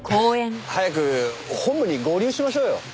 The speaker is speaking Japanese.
早く本部に合流しましょうよ。